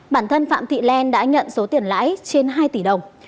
bản thân phạm thị len đã nhận số tiền lãi trên hai tỷ đồng